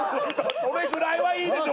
これぐらいはいいでしょ？